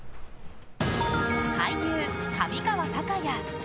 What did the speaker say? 俳優・上川隆也。